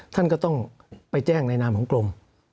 ท่านก็ต้องไปแจ้งในนามของกรม